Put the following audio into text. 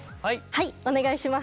はいお願いします。